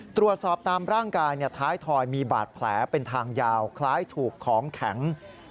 ตรวจสอบตามร่างกายท้ายถอยมีบาดแผลเป็นทางยาวคล้ายถูกของแข็ง